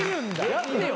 やってよ。